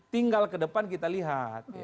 tinggal kedepan kita lihat